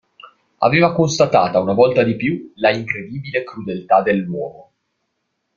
Aveva constatata una volta di più la incredibile crudeltà dell'uomo.